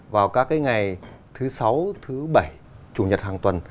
vào các cái ngày thứ sáu thứ bảy chủ nhật hàng tuần